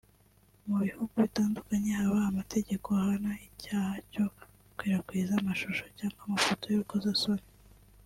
Mu bihugu bitandukanye haba amategeko ahana icyaha cyo gukwirakwiza amashusho cyangwa amafoto y’urukozasoni